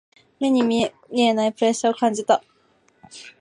目に見えないプレッシャーを感じた。